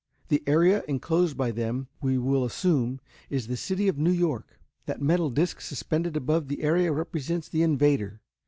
The area enclosed by them, we will assume, is the city of New York. That metal disc suspended above the area represents the invader.